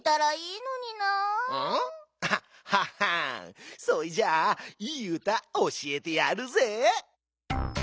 ははんそいじゃあいいうたおしえてやるぜ。